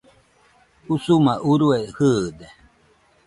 Usuma urue jɨɨde